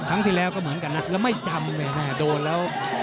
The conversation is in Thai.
ครั้งที่แล้วก็เหมือนกันนะแล้วไม่จำเลยโดนแล้ว